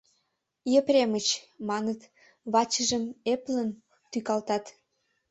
— Епремыч, — маныт, вачыжым эплын тӱкалтат.